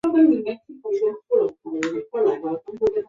参加了长征。